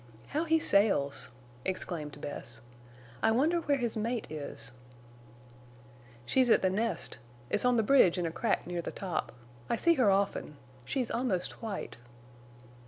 "How he sails!" exclaimed Bess. "I wonder where his mate is?" "She's at the nest. It's on the bridge in a crack near the top. I see her often. She's almost white."